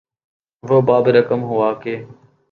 وہ باب رقم ہوا کہ